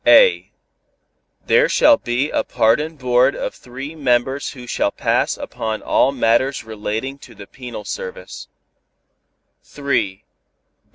(a) There shall be a Pardon Board of three members who shall pass upon all matters relating to the Penal Service.